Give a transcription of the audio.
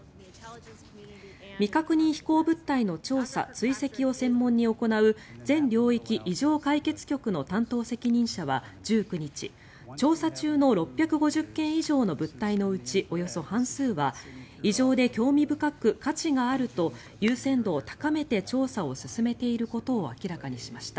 未確認飛行物体の調査・追跡を専門に行う全領域異常解決局の担当責任者は１９日調査中の６５０件以上の物体のうちおよそ半数は異常で興味深く価値があると優先度を高めて調査を進めていることを明らかにしました。